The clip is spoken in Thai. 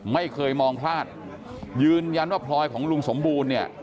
ไม่เคยมองพลาดยืนยันว่าพลอยของลุงสมบูรณ์เนี่ย